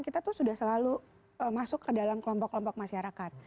kita tuh sudah selalu masuk ke dalam kelompok kelompok masyarakat